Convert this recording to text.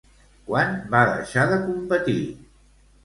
Quan va deixar de competir?